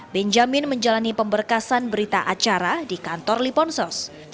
benjamin menjalani pemberkasan berita acara di kantor liponsos